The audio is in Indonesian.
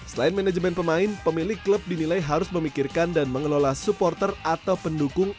selain manajemen pemain pemilik klub dinilai harus memikirkan dan mengelola supporter atau pendukung